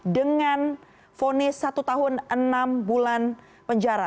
dengan fonis satu tahun enam bulan penjara